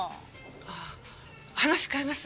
ああ話変えます。